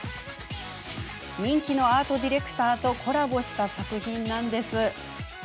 人気のアートディレクターとコラボした作品なんです。